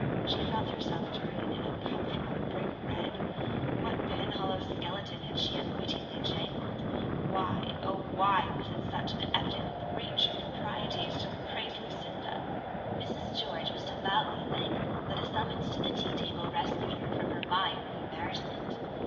She felt herself turning an uncomfortable brick red. What Penhallow skeleton had she unwittingly jangled? Why, oh, why, was it such an evident breach of the proprieties to praise Lucinda? Mrs. George was devoutly thankful that a summons to the tea table rescued her from her mire of embarrassment.